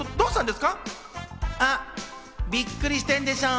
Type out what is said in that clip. びっくりしてんでしょ？